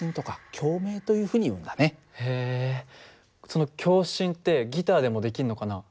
その共振ってギターでもできるのかな？